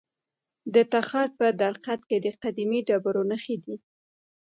د تخار په درقد کې د قیمتي ډبرو نښې دي.